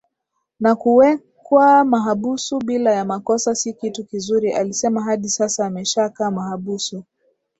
na kuwekwa mahabusu bila ya makosa Si kitu kizuriAlisema hadi sasa ameshakaa mahabusu